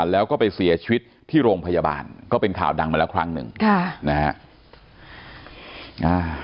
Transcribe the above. แล้วก็ไปเสียชีวิตที่โรงพยาบาลก็เป็นข่าวดังมาแล้วครั้งหนึ่งค่ะนะฮะ